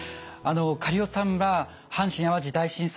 苅尾さんは阪神淡路大震災